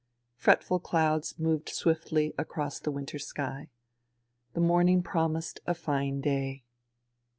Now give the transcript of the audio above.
Fretful clouds moved swiftly across the winter sky. The morning promised a fine day.